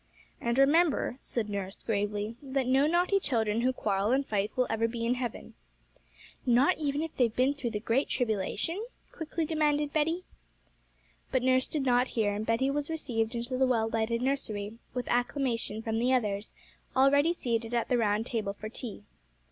'And remember,' said nurse gravely, 'that no naughty children who quarrel and fight will ever be in heaven.' 'Not even if they've been through great tribulation?' quickly demanded Betty. But nurse did not hear, and Betty was received into the well lighted nursery with acclamation from the others, already seated at the round table for tea.